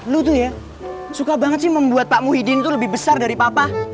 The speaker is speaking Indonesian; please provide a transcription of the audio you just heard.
lu tuh ya suka banget sih membuat pak muhyiddin itu lebih besar dari papa